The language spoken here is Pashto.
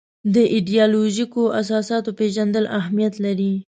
د ایدیالوژیکو اساساتو پېژندل اهمیت لري.